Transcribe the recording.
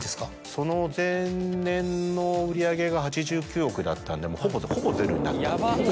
その前年の売り上げが８９億だったんでほぼゼロになったっていう感じ。